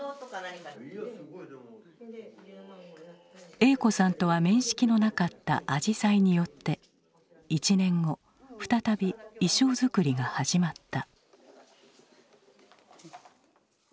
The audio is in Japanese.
栄子さんとは面識のなかった「あじさい」によって１年後再び衣装作りが始まった。